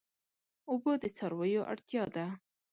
اوبه د څارویو اړتیا ده.